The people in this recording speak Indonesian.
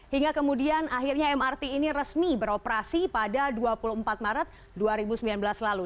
hingga kemudian akhirnya mrt ini resmi beroperasi pada dua puluh empat maret dua ribu sembilan belas lalu